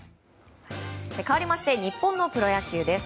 かわりまして日本のプロ野球です。